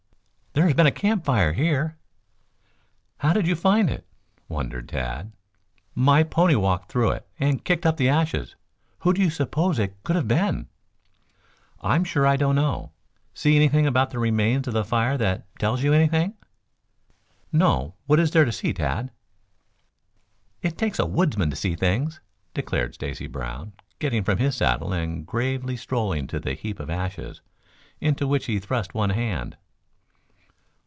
"There has been a campfire here." "How did you find it?" wondered Tad. "My pony walked through it and kicked up the ashes. Who do you suppose it could have been?" "I am sure I don't know. See anything about the remains of the fire that tells you anything?" "No. What is there to see, Tad?" "It takes a woodsman to see things," declared Stacy Brown, getting from his saddle and gravely strolling to the heap of ashes, into which he thrust one hand.